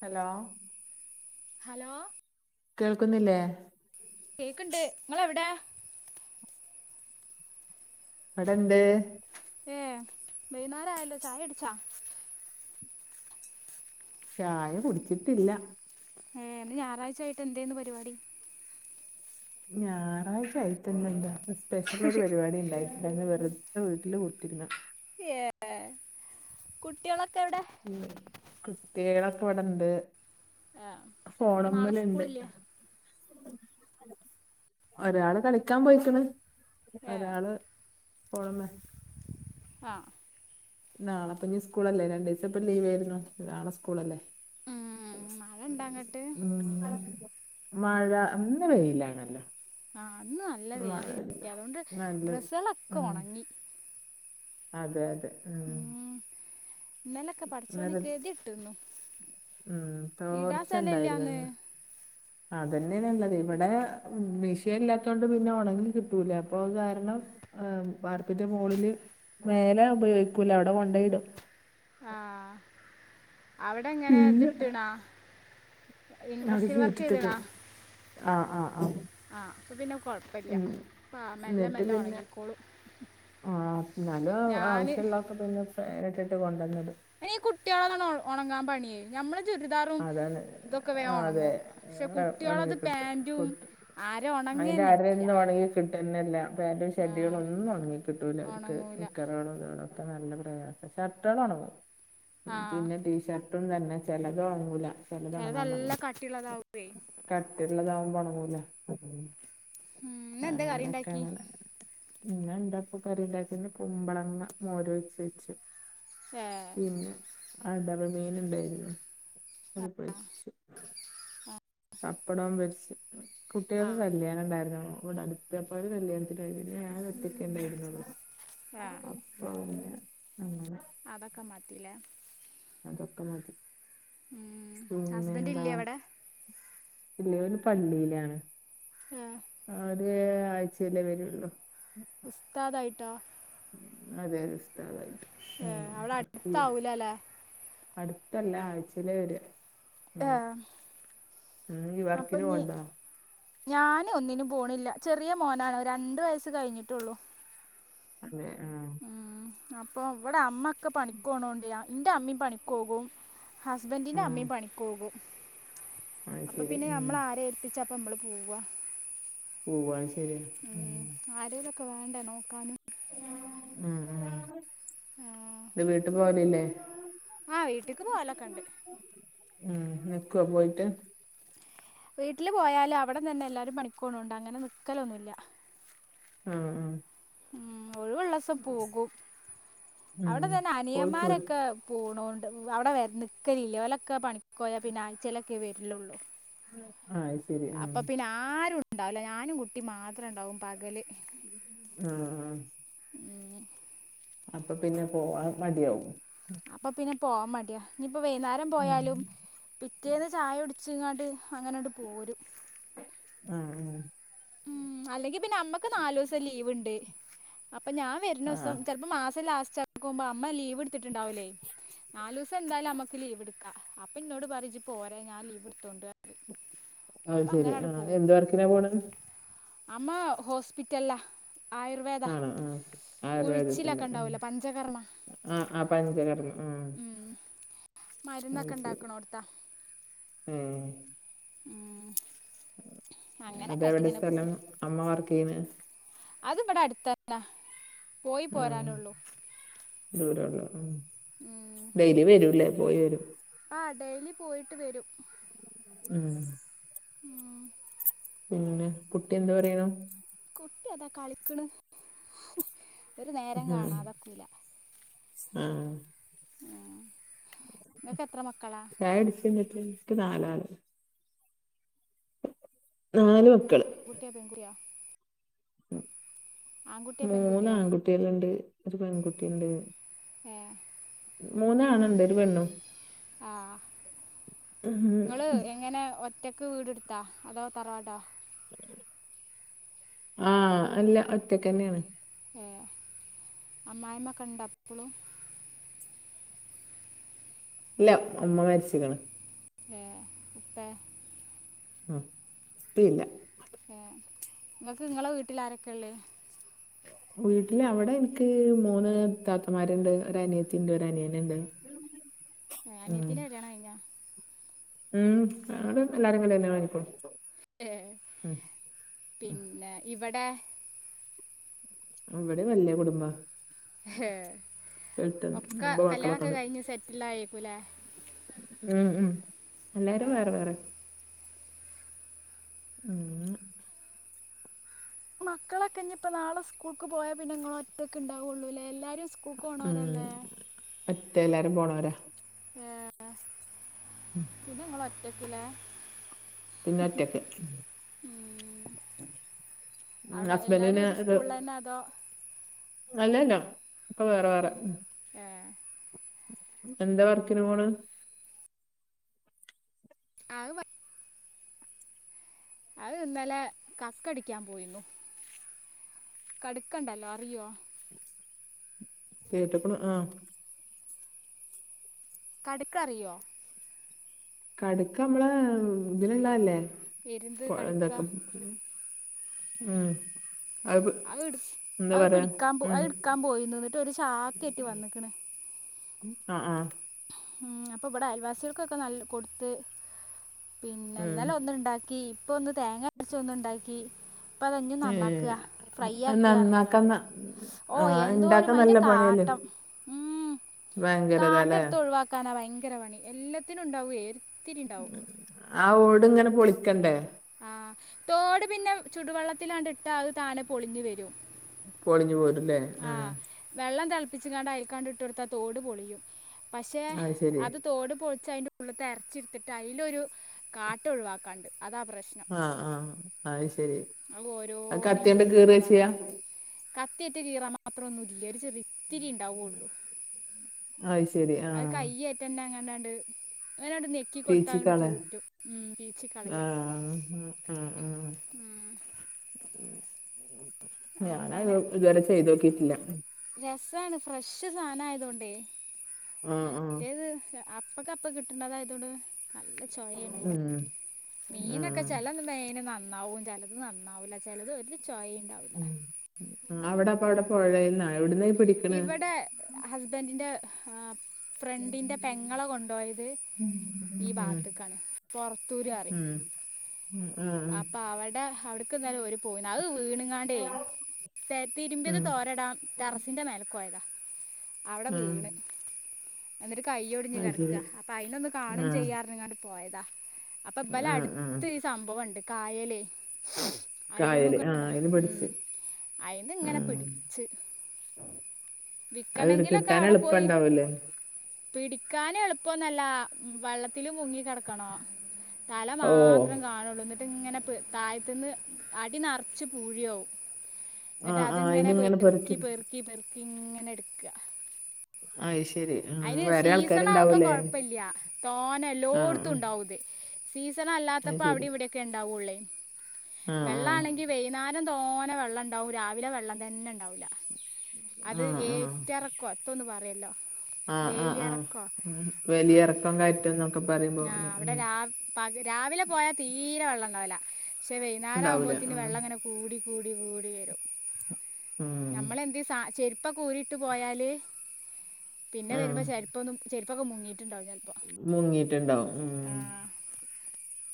Hello hello കേൾക്കുന്നില്ലേ കേക്ക്ണ്ട് ഇങ്ങളെവിടേ വ്ടെണ്ട് ഏ വൈന്നാരായല്ലോ ചായട്ച്ചാ ചായ കുടിച്ചിട്ടില്ല ഏ ഇന്ന് ഞായറാഴ്ചായിട്ട് എന്തേന്ന് പരിപാടി ഞായറാഴ്ച ആയിട്ടന്നന്താ ഇന്ന് സ്പെഷ്യൽ ഒരു പരിപാടി ഇണ്ടായി ഞാന് വെറ്തെ വീട്ടില് കുത്തിര്ന്ന ഏ കുട്ടികളൊക്കെ എവ്ടെ ണ്ട് കുട്ടിയേളൊക്കെ ഇവിടെണ്ട് ആ ഇപ്പൊ ഫോണ് നാളെ മ്മല്ണ്ട് സ്കൂളില്ലേ ഒരാള് കളിക്കാൻ പൊയ്ക്ക്ണ്. ഏ ഒരാള് ഫോൺ മ്മെ അ നാളെപ്ഞ്ഞി സ്കൂളല്ലേ രണ്ടീസപ്പം ലീവ് ഏർന്നു. നാളെ സ്കൂളല്ലേ ഉം മഴ ഇണ്ടങ്ങട്ട് മ്സ് ഉം മഴ! ഇന്ന് വെയിലാണല്ലൊ ആ ഇന്ന് നല്ല വെയില് കിട്ടി അതുകൊണ്ട് നല്ല ആ ഡ്രസ്സുകളൊക്കെ ഒണങ്ങി അതെ അതെ ഉം ഉം ഇന്നലൊക്കെ പട്ച്ചോനെ അന്നേരം കെതെട്ടുന്നു ഉം ഇടാൻ സലല്ല്യാന്ന് അതന്നേണ് ഇള്ളതെയ് ഇവിടെ മിഷീൻ ഇല്ലാതൊണ്ട് പിന്നെ ഒണങ്ങി കിട്ടൂല അപ്പൊ അത് കാരണം ഏ വാർപ്പിന്റെ മോളില് മേലാരു ഉപയോഗിക്കൂല അവിടെ കൊണ്ടേയിടും ആ അവിടെ എങ്ങനെ പിന്നെ ഇത്ട്ട്ണോ ഇൻട്രസ്റ്റീൽ വർക്ക് ചെയ്ത്ണോ ആ ആ ആ ആ അപ്പ പിന്നെ കൊഴപ്പല്ല ആ മെല്ലെ എന്നിട്ട് മെല്ല പിന്നെ ഒണങ്ങിക്കോളും ആഹ് ഇന്നാലും ആവശ്യള്ളൊക്കെ പിന്നെ ഫാന്ട്ട്ട്ട് കൊണ്ടന്ന്ടും അയ്ന് ഈ കുട്ടിയളതാന്ന ഒണങ്ങാൻ പണിയേ ഞമ്മളെ ചുരിദാറും അതാണ് ഇതൊക്കെ വേം ആ, അതെ ഒണങ്ങും പക്ഷെ ഉണങ്ങി കുട്ടിയാളത് കിട്ടും പാന്റും കിട്ടും അര ഒണങ്ങെന്നല്യാ കിട്ടന്നെല്ല പാന്റും, ഷെഡ്ഡികളൊന്നും ഒൺങ്ങി കിട്ടൂല്ല അവർക്ക് ഉണങ്ങൂല നിക്കറുകളൊന്ന ഒക്കെ നല്ല പ്രയാസാ ഷർട്ടാള് ഒണങ്ങും ആ പിന്നെ ടീഷർട്ടും തന്നെ ചെല ത് ഒൺങ്ങൂല ചെലത് നല്ല കട്ടിള്ളതാവുമ്പെ കട്ടിള്ളതാവുമ്പൊ ഒൺങ്ങൂല ഉം ഇന്നന്തേ കറിയിണ്ടാക്കി ഇന്നന്താപ്പൊ കറിണ്ടാക്കിയെ! ഇന്ന് കുമ്പളങ്ങ മോര് ഒഴിച്ച് വെച്ചു ഏ പിന്നെ അടവ് മീൻ ഇണ്ടായ്രുന്നു [unintelligible] പപ്പടോം പൊരിച്ച് ആ, കുട്ടികൾ ആ കല്യാ- ഉണ്ടായിരുന്നു ഇവിടെ അടുത്തപ്പോ ഒരു കല്യാണത്തിനോയി പിന്നെ ഞാനൊറ്റക്കേ ഉണ്ടായിരിന്നോളളു ആഹ് ആന്നെ അങ്ങനെ അതൊക്കെ മതീലെ അതൊക്കെ മതി ഉം... ഹസ്ബൻറ് ഇല്ല്യെ വ്ടെ? ഇല്ല ഓല് പള്ളീലാണ് ആഹ് അവര് ആഴ്ചേലേ വെരുള്ളൂ ഉസ്താദായിട്ടൊ? അതെ ഉസ്താദായിട്ട് ഉം ഏഹ് അവടെ അട്ത്താവൂലലേ അട്ത്തല്ല ആഴ്ചേലാ വെരാ.. അഹ് ഉം ഈ വർക്കിന് അപ്പൊഞ്ഞി പോണ്ടോ ഞാന് ഒന്നിനും പോണില്ല ചെറിയ മോനാണ് രണ്ട് വയസ്സ് കഴിഞ്ഞിട്ടൊള്ളൂ ആഹ് ഉം അപ്പൊ ഇവിടെ അമ്മ ഒക്കെ പണിക്കോണോണ്ടേയ് ഇന്റെ അമ്മേം പണിക്കോകും ഹസ്ബന്റീന്റെ ആഹ് അമ്മേം പണിക്കോകും അത് അപ്പൊ ശരി പിന്നെ ഉം നമ്മൾ ആരേ ഏൽപ്പിച്ചാപ്പ ഞന്മള് പോവാ പോവാ ശരിയാ ഉം ആരേലൊക്കെ വേണ്ടേ നോക്കാന് ഉം ഉം ഉം ആഹ് ഇന്ന് വീട്ട് പോവണില്ലേ? ആഹ്.. വീട്ട്ക്ക് പോലൊക്കെണ്ട് ഉം.. നിക്കോ പോയിട്ട്? വീട്ടില് പോയാലും അവടന്തെന്നെ എല്ലാരും പണിക്കോണോണ്ട് അങ്ങനെ നിക്കലൊന്നുല്ല ഉം ഉം ഉം ഒഴിവ് ഉള്ളസം പോകും ഉം അവടെ തന്നെ പോയി പോര് അനിയമ്മാരൊക്കെ പോണൊണ്ട് അവടെ വര നിക്കലില്ല ഓലൊക്കെ പണിക്കോയ പിന്നെ ആഴ്ചേലൊക്കെ വെര്ലൊള്ളൂ ആഹ് ശരി ആഹ് അപ്പൊ പിന്നെ ആ.. രുണ്ടാവൂല ഞാനും കുട്ടിം മാത്രെ ണ്ടാവും പകല് മം മം അപ്പൊ പിന്നെ പോവാൻ മടിയാവും അപ്പൊ പിന്നെ പോവാൻ മടിയാ ഞ്ഞിപ്പൊ വെയ്ന്നേരം ഉം പോയാലും പിറ്റേന്ന് ചായ കുട് ച്ചിങ്ങാണ്ട് അങ്ങനട് പോരും മം.. മം.. ഉം അല്ലെങ്കി പിന്നെ അമ്മക് നാലൂസം ലീവ്ണ്ട് അപ്പൊ ഞാൻ ആഹ് വെര്നൂസം ചെൽപ്പോ മാസം ലാസ്റ്റ് ആകുമ്പോ അമ്മ ലീവ് ഇടുത്ത്ട്ട്ണ്ടാവൂലേയ് നാലല് ദിവസം എന്തായാലും നമക്ക് നാലൂസം ന്തായാലും അമ്മക്ക് ലീവ്ട്ക്കാ അപ്പൊ ഇന്നോട് പറയും ജ്ജ് പോരേ ഞാൻ ലീവ്ട്ത്തോണ്ട് അഹ് ശെരി ആഹ് എന്ത് വർക്കിനാ പോണത് അമ്മാ.. ഹോസ്പിറ്റൽല്ലാ ആയുർവേദ ആണോ ആഹ് ആയുർവേദത്തിന്റെ ഉം ഉഴിച്ചിലൊക്കെണ്ടാവൂലേ പഞ്ചകർമ്മ ആഹ് ആഹ് പഞ്ചകർമ്മ ആഹ് അത് മരുന്നൊക്കെ ശെരി ഉണ്ടാക്കണോർത്താ ഏഹ് ഉം അത് എവിടെ സ്ഥലം അമ്മ വർക്ക്‌ചെയ്യുന്നേ അത് ബടെ അട്ത്തന്നെ പോയ്‌ ആഹ് പോരാനൊള്ളൂ [unintelligible] ഉം ഡെയ്‌ലി വരൂല്ലേ പോയിവരും ആ ഡെയിലി പോയിട്ട് വരും ഉം ഉം പിന്നെ കുട്ടി എന്ത് പറയണു. കുട്ടി അതാ കളിക്കണ് ഹ് ഒരു നേരം ഉം കാണാതൊക്കൂല ആഹ് ഇങ്ങക്ക് എത്ര മക്കളാ ചായ കുടിച്ചിനട്എ നിക്ക് നാലള് നാല് മക്കള് ഗുട്ടിയാ ബംഗൂരിയാ ആൺകുട്ടിയോ പെൺകുട്ടിയോ മൂന്നാൺകുട്ടികളിണ്ട് ഒരു പെൺകുട്ടിയിണ്ട് ഏ മൂന്നാണിണ്ട് ഒരു പെണ്ണും ആഹ് ഉം ഇങ്ങള് എങ്ങനെ ഒ റ്റക്ക് വീടടുത്തോ അതോ തറവാടാ ആഹ് അല്ല ഒറ്റക്കന്നെയാണ് ഏ അമ്മായിമ്മക്കണ്ട ഇപ്പളും. ഇല്ല ഉമ്മ മരിച്ച്ക്കണ്. ഹേ ഉപ്പേ ആഹ് ഇപ്പയില്ല ഏ ഇങ്ങക്ക് ഇങ്ങളെ വീട്ടില് ആരൊക്കെള്ളെ വീട്ടില് അവിടെ എനിക് മൂന്ന് താത്തമാരുണ്ട്, ഒരനിയത്തിണ്ട്, ഒരനിയനിണ്ട്. [inaudible] ഏ അനിത്തിൻ്റെ കല്യാണ കഴിഞ്ഞോ ഉം നങ്ങള് എല്ലാരങളല്ലെ കാണികൊള്ളൂ ഏ പിന്നെ ഇവടെ അവിടെ വല്ല്യ കുടുംബാ ഹെ എട്ട് ഒക്കെ ഒമ്പത് കല്യാണൊക്കെ മക്കളൊക്കെണ്ട് കഴിഞ്ഞ് സെറ്റിലായേക്കൂല്ലേ? ആഹ് ആഹ് എല്ലാരും വേറെ വേറെ അങ്ങനെ മക്കളൊക്കെ ഇനിപ്പ നാളെ സ്കൂൾക്ക് പോയാ പിന്നെ ഇങ്ങളൊറ്റക്ക് ഇണ്ടാവുള്ളൂല്ലേ ല്ലാരും സ് കുക്കോണോരല്ലേ മറ്റേ എല്ലാരും പോണോരാ ഏ പിന്നെ ങ്ങള് ഒറ്റക്കില്ലെ? പിന്നൊറ്റക്ക് അവിടെ എല്ലാവരും ഹസ്ബൻ്റിന് ഒരു ഇത് സ്കൂളിൽ തന്നെ അതോ അല്ലല്ലഇപ്പൊ വേറെ-വേറെ ഏഹ് എന്താ വർക്കിന് പോണ് ആ അഹ് ഇന്നലെ കക്കടിക്കാൻ പോയിരുന്നു കടുക്കണ്ടല്ലോ അറിയോ കേട്ടൂക്കുണു ആഹ് കടുക്ക അറിയോ കടുക്ക നമ്മള ഇതിലുള്ളല്ലേ എരുന്ത് പൊ കടുക്ക എന്താകും ഉം അത് പ്- അതിട് എന്താ അത് പറയാ പിടിക്കാ പോ ഉം അത്ടുക്കാൻ പോയിന്ന് നിട്ട് ഒരു ചാക്കേറ്റി വന്നക്കണ് ആ ആഹ് മ് അപ്പ ഇവിടെ അയൽവാസികൾക് ക്കൊക്കെ നല് കൊടുത്ത്. ഉം പിന്നെഇന്നലെ ഒന്നുണ്ടാക്കി ഇപ്പോ ഒന്ന് തേങ്ങ അരച്ച് ഒന്നുണ്ടാക്കി ഇപ്പോ അത് ഇഞ്ഞ് നന്നാക്കുക ഏഹ് ഫ്രൈ അത് നന്നാക്കാൻ ആക്കുകായിരുന്നങ്ങോട്ട് ഓ ആഹ് എന്തോ മ ഒരു ഇണ്ടാക്കാൻ അതിന്റെ നല്ല പണിയല്ലേ കാട്ടം മ് ഭയങ്കരതാല്ലേ കാട്ടടുത്ത് ഒഴിവാക്കാനാ ഭയങ്കര പണി എല്ലാത്തിനും ഉണ്ടാവുമേ ഒ ത്തിരി ഉണ്ടാവും ആ ഓട് ഇങ്ങനെ പൊളിക്കണ്ടേ ആ തോട് പിന്നെ ചുടുവെള്ളത്തിലാണ്ടിട്ടാ അത് താനെ പൊളിഞ്ഞു വരും പൊളിഞ്ഞു പോരുല്ലേ ആഹ് വെള്ളം തിളപ്പിച്ച്ങ്ങാണ്ട് അയിക്കാണ്ടിട്ടൊട്ത്താൽ തോട് പൊളിയും പക്ഷേ അത് തോട്പൊളിച്ച് അതിന്റെ ഉള്ളത്തെ ഇറച്ചിടുത്തിട്ട് അതിലൊരു കാട്ടം ഒഴിവാക്കാനൊ ണ്ട് അതാ പ്രശ്നം ആ ആ അത് ശരി ആ അത് ഓരോനിന്റെ കത്തിയോണ്ട് ഇട്ത്ത് കീറാ ചെയ്യാ ഒഴിവാക്കണം കത്തിയിട്ട് കീറാൻ മാത്രം ഒന്നുമില്ല ഒരിത്തിരി ഉണ്ടാവയുള്ളൂ അത് ശരി അത് ആഹ് കൈഏറ്റന്റെങ്ങാണ്ടാണ്ട് അങ്ങനണ്ടു ഞെക്കി ഞെക്കി കൊടുത്താണ്ട് പീച്ചിക്കാണ് തൂറ്റും ഉം പീച്ചി കളയ ആഹ് ഉം ഉം ഉം ഉം ഞാന ഇതുവരെ ചെയ്ത് നോക്കിട്ടില്ല രസമാണ് ഫ്രഷ് സാധനം ആയതൊണ്ടേ ആഹ് ആഹ് മറ്റേത് അപ്പക്കെ അപ്പോ കിട്ടണ തായതോണ്ട് നല്ല ചോവയാണ് ഉം മീനൊക്കെ ആഹ് ചെലന്ന് മീനൊന്നും നന്നാവും ചെലത് നന്നാവൂല്ല ചെലത് ഒരു ചോയിംണ്ടാ അവിടെ അപ്പോ എവിടെ പുഴയെന്നോ എവിടുന്നാ ഈ പിടി ഇവിടെ ഹസ്ബൻഡിന്റെ ആ ഫ്രണ്ടിന്റെ പെങ്ങളാ കൊണ്ടു പോയത് ഈ ഉം ഭാഗത്തക്കാണ് പൊറത്തൂര് പറയും ഉം ഉം ആഹ് അപ്പോ അവിടെ അവിടക്ക് ഇന്നലെ ഒരു പോയിന്നാ അത് വീണങ്ങാണ്ടേ തെ തിരുമ്പിയത് ഉം തോരടാം ടെറസിന്റെ മേലെ പോയതാ അവിടെ ആഹ് വീണ് എന്നിട്ട് കയ്യോടിഞ്ഞ് അത് ശരി കടക്കുക അപ്പൊ അയിന്നൊ ന്ന്കാണും ആഹ് ചെയ്യാര്ങ്ങാണ്ട് പോയതാ അപ്പോ ഇപലെ ആഹ് ആഹ് അടുത്ത് ഈ സംഭവംണ്ട് കായലേ കായല് അഴിമുഖാട ആഹ് അയില് ഉം പിടിച്ച് അയിന്ന് ഇങ്ങനെ ആഹ് പിടിച്ച് അത് വിക്കണയെങ്കിലെക്കെ കിട്ടാൻ അവിടെ പോയി എളുപ്പണ്ടാവൂലേ പിടിക്കാന് എളുപ്പോന്നല്ല വള്ളത്തില് മുങ്ങി കിടക്കണോ. തല ഓ മാത്രം കാണുള്ളൂന്ന്ട് ഇട്ട്ങ്ങനെ പി താഴത്തുന്ന് അടി നറച്ച് പൂഴിയാവും. ആ ന്നിട്ട് ആ അതിങ്ങനെ ഇതിങ്ങനെ പെറ്ക്കി പെറുക്കി പെറ്ക്കി പെറ്ക്കിങ്ങനെ ഇട്ക്ക അത് ശരി ആ അയിന് വേറെ സീസണ് ആവുമ്പോ ആൾക്കാരുണ്ടാവൂലേ കൊഴപ്പില്ല തോനെ ആ എല്ലോട്ത്തും ആ ഉണ്ടാവുത് സീസണ അത് അല്ലാത്തപ്പോ അവിടെ ശരി ഇവിടെയൊക്കെ ഉണ്ടാവൂള്ളേ. ആ ആ വെള്ളം ആണെങ്കി ഞ് വൈകുന്നേരം തോന വള്ളംണ്ടാവും രാവിലെ വെള്ളം തന്നെണ്ടാവുല്ല അത് ആ ആ ഏറ്റ ഇറക്കോ തൊഒന്ന് പറയുല്ലോ? ആ ആ ആ വേലിറക്കോ ഉം ആ വലിയ ഇറക്കം കയറ്റം എന്നൊക്കെ പറയുമ്പോ അല്ലെ അവിടെ ഉം രാവിലെ പ രാവിലെ പോയാ തീരെ വള്ളം ഉണ്ടാവില്ല. പക്ഷെ വൈകുന്നേം ഉണ്ടാവൂലേ ആ ആകുമ്പോത്തെന്നു വെള്ളംഇങ്ങനെ കൂടി കൂടി കൂടി വരും. ഉം നമ്മളെന്ത് സ ചെരുപ്പൊക്കെ ഊരിയിട്ട് പോയാല് പിന്നെ ആ വരുമ്പോ ചെര്പ്പൊന്നും ചെര്പ്പൊക്കെ മുങ്ങിയിട്ടുണ്ടാവും ചെൽ പ്പോ മുങ്ങിട്ടുണ്ടാവും ആ ഉം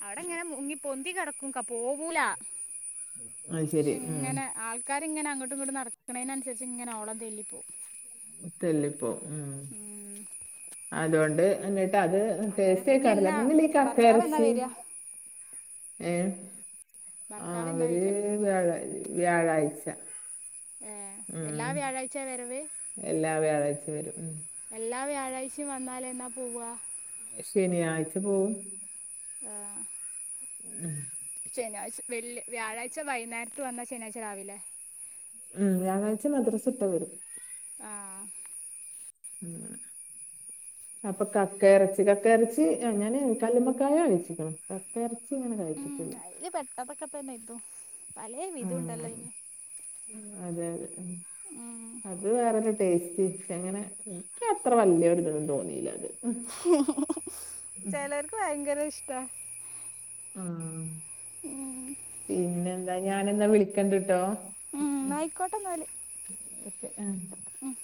അവിടെ ഇങ്ങനെ മുങ്ങി പൊന്തി കിടക്കുംക പോവൂല. അത് ക്ഷെ ശരി ഉം ഇങ്ങനെ ആൾക്കാര് ഇങ്ങനെ അങ്ങട്ടും ഇങ്ങട്ടും നടക്ക നടക്കണിനനുസരിച്ച് ഇങ്ങനെ ഓളം തല്ലിപ്പോകും. തല്ലിപ്പോവും. ഉം അതൊണ്ട് എന്നിട്ട് അത് ടേസ്റ്റ് അങ്ങനൊക്കെ ഇനി എന്നാ കടലക്കറിതന്നെയല്ലെ ഈ ഭർത്താവ് എന്നാ കക്കയിറച്ചി വരിക ഏ ആ ഭർത്താവ് എന്നാ അവര് വരിക വ്യാഴ വ്യാഴാഴ്ച ഏഹ് എല്ലാ ഉം വ്യാഴാഴ്ച വരവ് എല്ലാ വ്യാഴാഴ്ച്ചിം വരും എല്ലാ വ്യാഴാഴ്ച്ചിം വന്നാലെന്നാ പോവാ ശനിയാഴ്ച പോവും ആഹ് ഉം ശനിയാഴ്ച വല് വ്യാഴാഴ്ച വൈന്നേരത്ത് വന്ന ശനിയാഴ്ച രാവിലെ ഉം വ്യാഴാഴ്ച മദ്രസട്ട് വരും ആഹ് ഉ അപ്പൊ കക്ക ഇറച്ചി കക്ക അത് ഇറച്ചി ശരി അങ്ങെനെ കല്ലുമക്കായ കഴിച്ചിക്ക്ണ് കക്ക എറച്ചി അങ്ങനെ കഴിച്ചിട്ടില്ല. ല് പെട്ടന്നൊക്കെതന്നെ എത്തും പലേ വിധണ്ടല്ലോ ഉം അയ്ൻ അതെ അതെ ഉം ഉം അത് വേറൊരു ടേസ്റ്റ് ശ്ശെങ്ങനെ ഇനിക് അത്ര വല്യൊരുതൊന്നും തോന്നിയില്ല അത്. ചെലർക്ക് ഭയങ്കര ഇഷ്ടാ ആഹ് ഇഷ്ടമാണ് പിന്നെന്താ ഞാനിന്നാ വിളിക്കണ്ട്ട്ടോ ഉം ആയിക്കോട്ടെന്നാല് ഒക്കെ ആഹ് ഉം